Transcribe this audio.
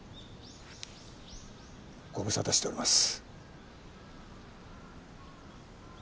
ご無沙汰しております。